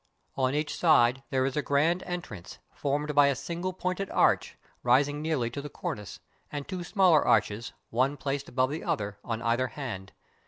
On each side there is a grand entrance, formed by a single pointed arch, rising nearly to the cornice, and two smaller arches (one placed above the other) on either hand.